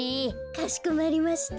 かしこまりました。